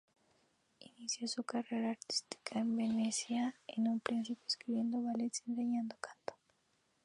Inició su carrera artística en Venecia, en un principio escribiendo ballets y enseñando canto.